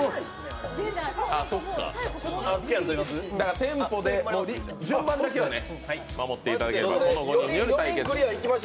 テンポで順番だけはね守っていただければ。